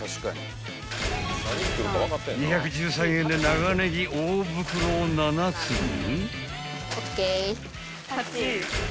［２１３円で長ネギ大袋を７つに］